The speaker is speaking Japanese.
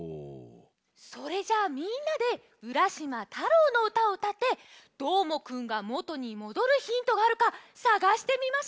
それじゃあみんなで「浦島太郎」のうたをうたってどーもくんがもとにもどるヒントがあるかさがしてみましょう！